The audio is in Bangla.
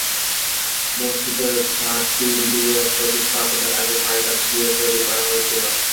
মসজিদের ছাদ টিন দিয়ে প্রতিস্থাপনের আগে ফাইবার দিয়ে তৈরি করা হয়েছিল।